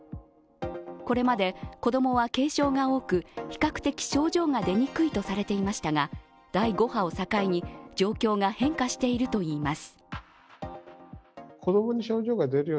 これまで子供は軽症が多く、比較的症状が出にくいとされていましたが、第５波を境に、状況が変化しているといいます。